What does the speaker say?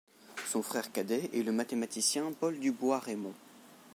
Son frère cadet est le mathématicien Paul du Bois-Reymond.